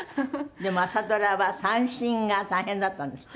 でも朝ドラは三線が大変だったんですって？